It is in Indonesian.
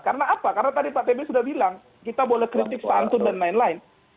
karena apa karena tadi pak t b sudah bilang kita boleh kritik santun dan lain lain